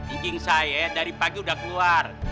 ijing saya dari pagi udah keluar